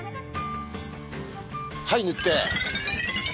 はい塗って！